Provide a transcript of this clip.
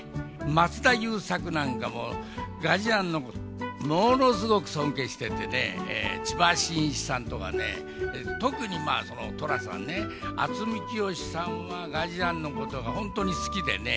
松田優作なんかも、がじやんのこと、ものすごく尊敬していてね、千葉真一さんとかね、特に寅さんね、渥美清さんはがじやんのことが本当に好きでね。